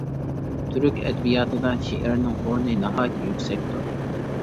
تۈرك ئەدەبىياتىدا شېئىرنىڭ ئورنى ناھايىتى يۈكسەكتۇر.